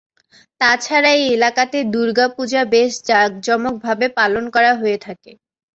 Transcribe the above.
তাছাড়া এই এলাকাতে দুর্গা পূজা বেশ যাক-জমোকভাবে পালন করা হয়ে থাকে।